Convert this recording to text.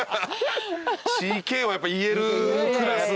ＣＫはやっぱ言えるクラス。